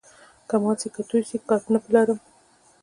که مات سي که توی سي، کار نه په لرم.